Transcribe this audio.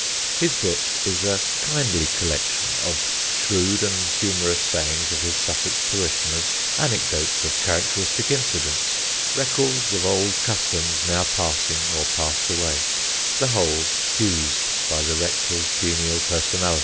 His book is a kindly collection of the shrewd and humorous sayings of his Sussex parishioners, anecdotes of characteristic incidents, records of old customs now passing or passed away the whole fused by the rector's genial personality.